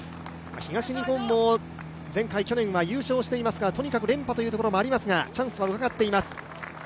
東日本も前回、去年は優勝していますが、とにかく連覇というところがありますがチャンスはうかがっています。